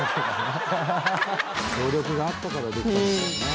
協力があったからできたんですよね。